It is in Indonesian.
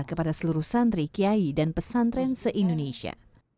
kepada seluruh santri kiai dan pesantren se indonesia